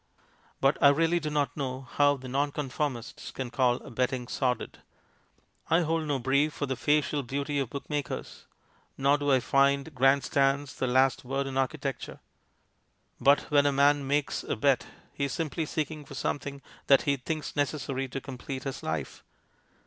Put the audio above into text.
But I really do not know how the Nonconformists can call bet ting sordid. I hold no brief for the facial beauty of bookmakers, nor do I find grand stands the last word in architecture ; but when a man makes a bet he is simply seek ing for something that he thinks necessary to complete his life.